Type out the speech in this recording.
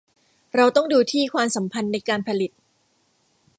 เราต้องดูที่ ความสัมพันธ์ในการผลิต